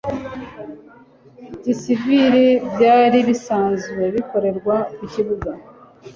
Gisivili byari bisanzwe bikorerwa ku kibuga